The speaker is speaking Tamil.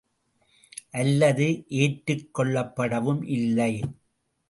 அல்லது ஏற்றுக் கொள்ளப்படவும் இல்லை!